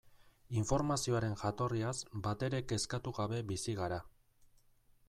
Informazioaren jatorriaz batere kezkatu gabe bizi gara.